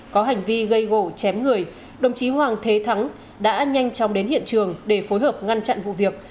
có hành vi gây gỗ chém người đồng chí hoàng thế thắng đã nhanh chóng đến hiện trường để phối hợp ngăn chặn vụ việc